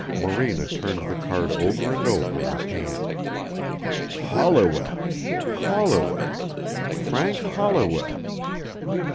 Morena turned the card over and over in his hand. "Holliwell. Holliwell. Frank Holliwell."